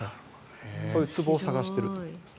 そういうツボを探しているということです。